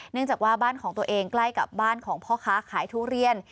เนื่องจากว่าบ้านของตัวเองใกล้กับบ้านของพ่อค้าขายทุเรียน